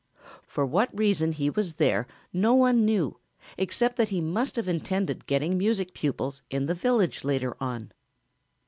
For what reason he was there no one knew except that he must have intended getting music pupils in the village later on.